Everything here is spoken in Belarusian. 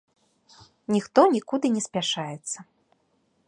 Ніхто нікуды не спяшаецца.